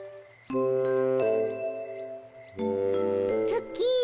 ツッキー